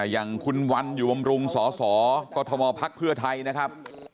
อย่างคุณวันอยู่บำรุงสสกมพักเพื่อไทยนะครับ